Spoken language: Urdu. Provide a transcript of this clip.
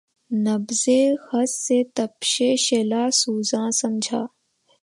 نبضِ خس سے تپشِ شعلہٴ سوزاں سمجھا